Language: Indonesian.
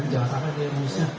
ini jelas apa dia bisa